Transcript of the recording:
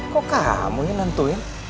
kok kamu yang nentuin